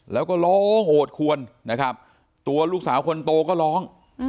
แล้วก็ร้องโอดควรนะครับตัวลูกสาวคนโตก็ร้อง